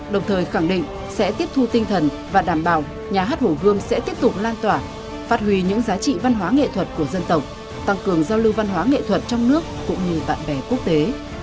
đồng thời khẳng định sẽ tiếp thu tinh thần và đảm bảo nhà hát hồ gươm sẽ tiếp tục lan tỏa phát huy những giá trị văn hóa nghệ thuật của dân tộc tăng cường giao lưu văn hóa nghệ thuật trong nước cũng như bạn bè quốc tế